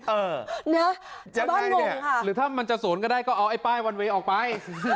เออนะยังไงเนี่ยหรือถ้ามันจะสวนก็ได้ก็เอาไอ้ป้ายวันเวย์ออกไป